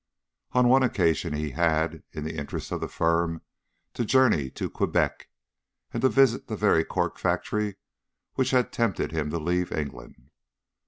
On one occasion he had, in the interests of the firm, to journey to Quebec, and to visit the very cork factory which had tempted him to leave England.